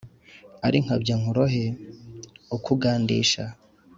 Ari “Nkabyankurohe “ukugandisha !